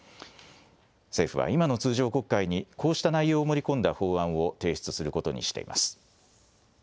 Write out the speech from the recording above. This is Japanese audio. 政府は、今の通常国会に、こうした内容を盛り込んだ法案を提出することにしています。